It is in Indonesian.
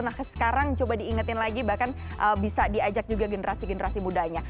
nah sekarang coba diingetin lagi bahkan bisa diajak juga generasi generasi mudanya